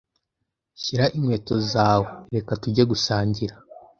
Shyira inkweto zawe. Reka tujye gusangira.